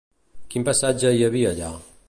Quin paisatge hi havia allà?